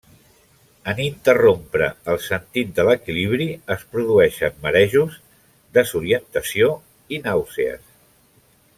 En interrompre el sentit de l'equilibri es produeixen marejos, desorientació i nàusees.